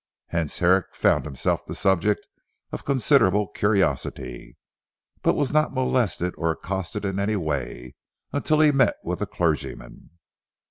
Hence Herrick found himself the subject of considerable curiosity, but was not molested or accosted in any way, until he met with a clergyman.